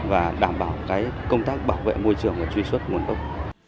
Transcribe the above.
và đảm bảo cái công tác bảo vệ môi trường và truy xuất nguồn độc